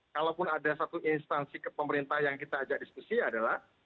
kalaupun ada satu instansi pemerintah yang kita ajak diskusi adalah